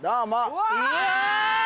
うわ！